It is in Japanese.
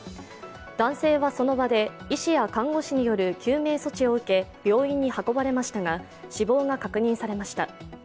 男性はその場で医師や看護師による救命措置を受け病院に運ばれましたが、死亡が確認されました。